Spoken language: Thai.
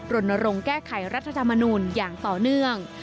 รณรงค์แก้ไขรัฐธรรมนูลอย่างต่อเนื่อง